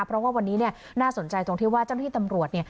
เพราะว่าวันนี้น่าสนใจตรงที่ว่าเจ้าหน้าที่ตำรวจ